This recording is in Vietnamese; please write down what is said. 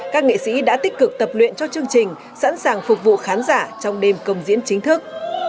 các nghệ sĩ đã tích cực tập luyện cho chương trình sẵn sàng phục vụ khán giả trong đêm công diễn chính thức